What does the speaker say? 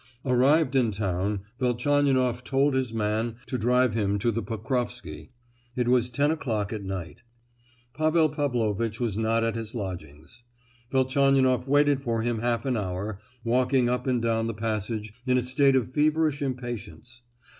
Arrived in town Velchaninoff told his man to drive him to the Pokrofsky. It was ten o'clock at night. Pavel Pavlovitch was not at his lodgings. Velchaninoff waited for him half an hour, walking up and down the passage in a state of feverish impatience.